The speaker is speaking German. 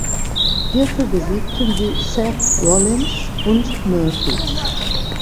Hierfür besiegten sie Seth Rollins und Murphy.